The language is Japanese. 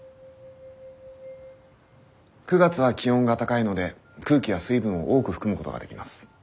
９月は気温が高いので空気は水分を多く含むことができます。